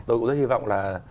tôi cũng rất hy vọng là